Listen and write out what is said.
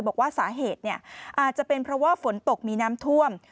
บอกว่าสาเหตุอาจจะเป็นเพราะว่าฝนตกมีน้ำท่วม